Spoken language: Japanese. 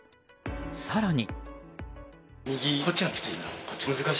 更に。